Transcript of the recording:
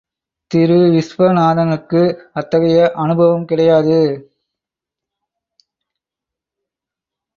திரு விஸ்வநாதனுக்கு அத்தகைய அனுபவம் கிடையாது.